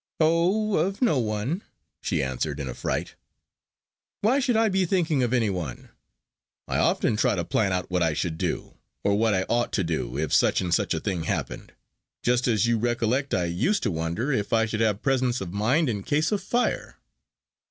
"Oh, of no one," she answered in affright. "Why should I be thinking of any one? I often try to plan out what I should do, or what I ought to do, if such and such a thing happened, just as you recollect I used to wonder if I should have presence of mind in case of fire."